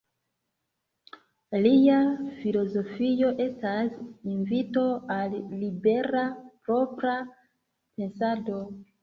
Lia filozofio estas invito al libera, propra, pensado.